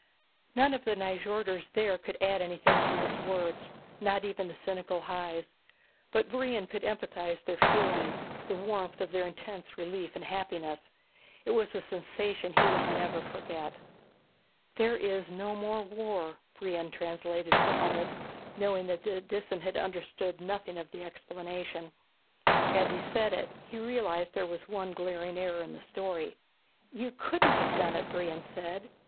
None of the Nyjorders there could add anything to his words, not even the cynical Hys. But Brion could empathize their feelings, the warmth of their intense relief and happiness. It was a sensation he would never forget. "There is no more war," Brion translated for Ulv, knowing that the Disan had understood nothing of the explanation. As he said it, he realized that there was one glaring error in the story. "You couldn't have done it," Brion said.